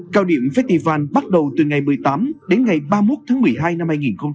cao điểm festival bắt đầu từ ngày một mươi tám đến ngày ba mươi một tháng một mươi hai năm hai nghìn một mươi chín